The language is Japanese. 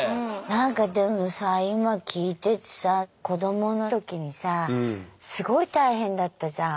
何かでもさ今聞いててさ子どもの時にさすごい大変だったじゃん。